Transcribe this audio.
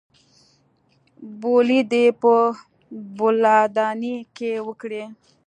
بولې دې په بولدانۍ کښې وکړې.